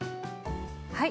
はい。